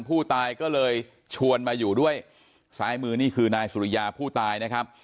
ผู้ตายก็เลยชวนมาอยู่ด้วยซ้ายมือนี่คือนายสุริยาผู้ตายนะครับ